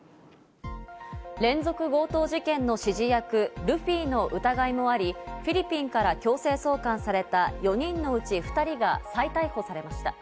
連続強盗事件の指示役ルフィの疑いもあり、フィリピンから強制送還された４人のうち２人が再逮捕されました。